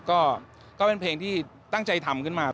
ก็เป็นเพลงที่ตั้งใจทำขึ้นมา